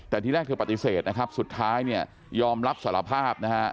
แต่ที่แรกเธอปฏิเสธนะครับสุดท้ายเนี่ยยอมรับสารภาพนะฮะ